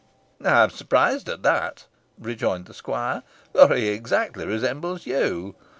"I am surprised at that," rejoined the squire, "for he exactly resembles you."